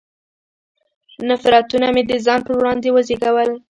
نفرتونه مې د ځان پر وړاندې وزېږول.